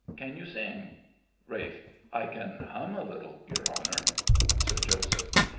Can you sing? RALPH. I can hum a little, your honour. SIR JOSEPH.